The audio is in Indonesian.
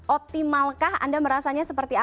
optimalkah anda merasanya seperti apa